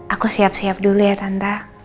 aku siap siap dulu ya tanta